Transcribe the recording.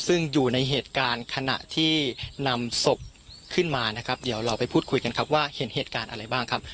ซึ่งอยู่ในเหตุการณ์ขณะที่นำศพขึ้นมานะครับเดี๋ยวเราไปพูดคุยกันครับว่าเห็นเหตุการณ์อะไรบ้างครับ